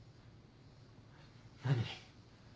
何？